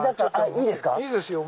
いいですか。